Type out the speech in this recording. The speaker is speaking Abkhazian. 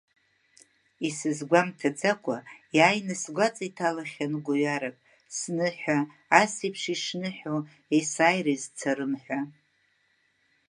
Исызгәамгаӡакәа иааины сгәаҵа иҭалахьан гәҩарак, сныҳәа асеиԥш ишныҳәоу есааира изцарым ҳәа.